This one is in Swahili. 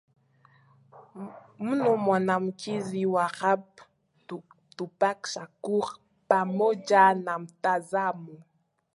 mno mwanamuziki wa rap Tupac Shakur pamoja na mtazamo